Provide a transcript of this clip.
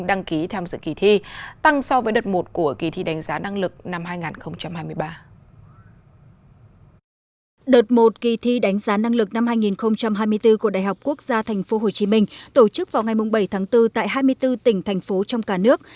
đợt một kỳ thi đánh giá năng lực năm hai nghìn hai mươi bốn của đại học quốc gia tp hcm tổ chức vào ngày bảy tháng bốn tại hai mươi bốn tỉnh thành phố trong cả nước